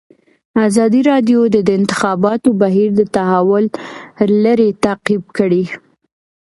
ازادي راډیو د د انتخاباتو بهیر د تحول لړۍ تعقیب کړې.